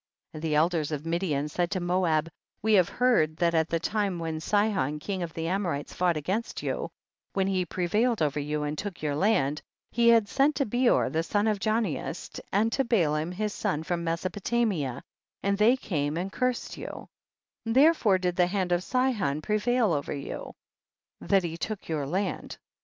42. And the elders of Midian said to Moab, we have heard that at tlie lime when Sihon king of the Amor ites fought against you, when he pre vailed over you and took your land, he had sent to Beor the son of Janeas and to Balaam his son from Mesopo tamia, and they came and cursed you ; therefore did the hand of Sihon pre vail over you, that he took your land.